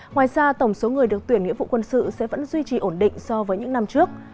ngoài ra tổng số người được tuyển nghĩa vụ quân sự sẽ vẫn duy trì ổn định so với những năm trước